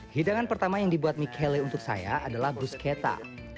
hidangan pertama yang dibuat michele untuk saya adalah bruschetta